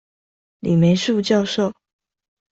李梅樹教授